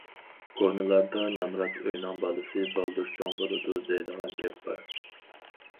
كونىلاردا:‹‹ نامرات ئۆينىڭ بالىسى بالدۇر چوڭ بولىدۇ›› دەيدىغان گەپ بار.